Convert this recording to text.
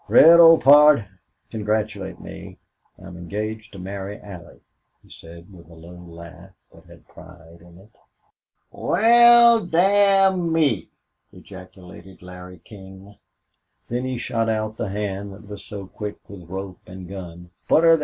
"Red, old pard, congratulate me! I'm engaged to marry Allie!" he said, with a low laugh that had pride in it. "Wal, damn me!" ejaculated Larry King. Then he shot out the hand that was so quick with rope and gun. "Put her thar!